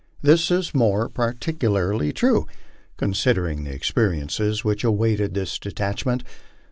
This is more particularly true considering the experiences which awaited this detachment.